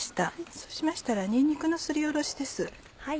そうしましたらにんにくのすりおろしです。